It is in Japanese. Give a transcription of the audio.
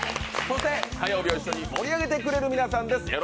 そして火曜日を一緒に盛り上げてくれる皆さんです。